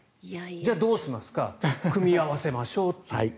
じゃあどうしますか組み合わせましょうと。